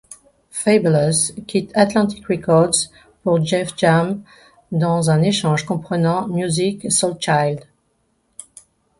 Fabolous quitte Atlantic Records pour Def Jam, dans un échange comprenant Musiq Soulchild.